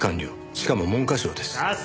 しかも文科省です。